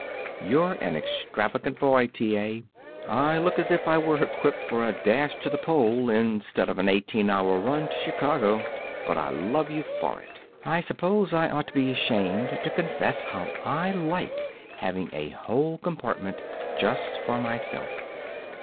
"You're an extravagant boy, T. A. I look as if I were equipped for a dash to the pole instead of an eighteen hour run to Chicago. But I love you for it. I suppose I ought to be ashamed to confess how I like having a whole compartment just for myself.